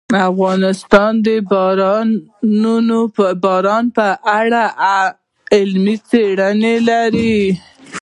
افغانستان د باران په اړه علمي څېړنې لري.